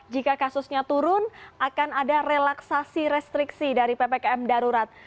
jika kasusnya turun akan ada relaksasi restriksi dari ppkm darurat